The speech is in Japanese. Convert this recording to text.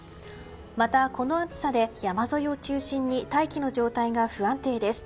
また、この暑さで山沿いを中心に大気の状態が不安定です。